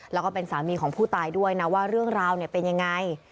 แล้วก็เป็นสามีของผู้ตายด้วยนะว่าเรื่องราวเป็นยังไง